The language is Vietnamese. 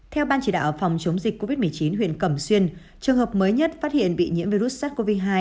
theo ban chỉ đạo phòng chống dịch covid một mươi chín huyện cẩm xuyên trường hợp mới nhất phát hiện bị nhiễm virus sars cov hai